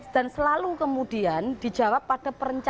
dan selalu kemudian dijawab oleh pemerintah